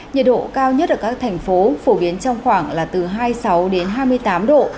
nhiệt độ cao nhất ở các thành phố phổ biến trong khoảng là từ hai mươi sáu đến hai mươi tám độ